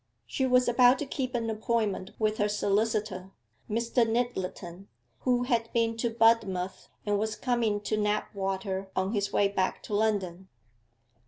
She was about to keep an appointment with her solicitor, Mr. Nyttleton, who had been to Budmouth, and was coming to Knapwater on his way back to London.